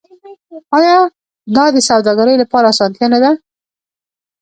آیا دا د سوداګرۍ لپاره اسانتیا نه ده؟